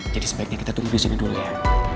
jadi sebaiknya kita tunggu disini dulu ya